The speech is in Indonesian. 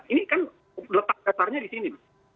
ini kan letak dasarnya di sini